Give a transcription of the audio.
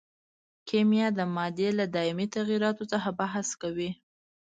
کیمیا د مادې له دایمي تغیراتو څخه بحث کوي.